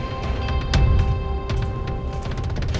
ngomong panjang yang intinya sekarang bisnis kamu bisnis kita